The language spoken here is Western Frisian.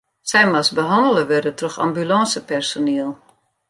Sy moast behannele wurde troch ambulânsepersoniel.